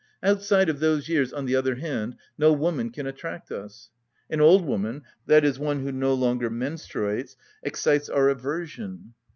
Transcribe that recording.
Outside of those years, on the other hand, no woman can attract us: an old woman, i.e., one who no longer menstruates, excites our aversion.